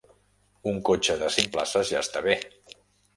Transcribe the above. Un cotxe de cinc places, ja esta bé.